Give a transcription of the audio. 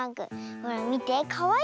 ほらみてかわいいでしょ。